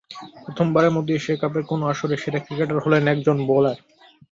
প্রথমবারের মতো এশিয়া কাপের কোনো আসরে সেরা ক্রিকেটার হলেন একজন বোলার।